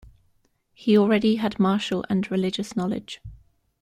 He already had martial and religious knowledge.